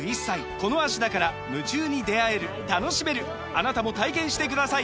あなたも体験してください！